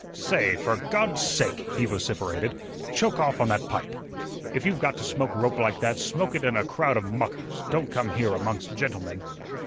"Say, for God's sake," he vociferated, "choke off on that pipe! If you've got to smoke rope like that, smoke it in a crowd of muckers; don't come here amongst gentlemen."